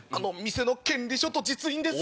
店の権利書と実印です。